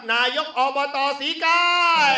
นายกอบตศรีกาย